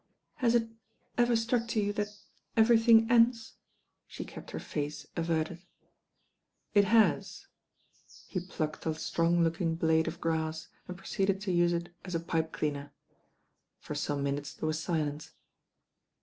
"Has it ever struck you that everything ends ?" She kept her face averted. "It has." He plucked a strong looking blade of grass and proceeded to use it as a pipe cleaner. For some minutes there was silence.